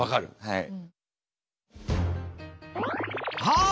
はい。